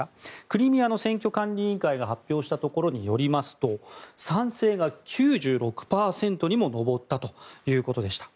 クリミアの選挙管理委員会が発表したところによりますと賛成が９６％にも上ったということでした。